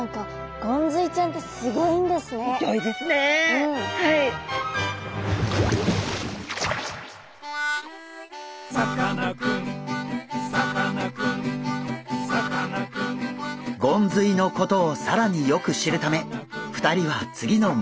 ゴンズイのことを更によく知るため２人は次の目的地へ。